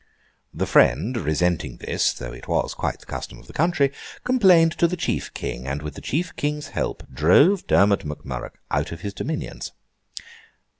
The friend resenting this (though it was quite the custom of the country), complained to the chief King, and, with the chief King's help, drove Dermond Mac Murrough out of his dominions.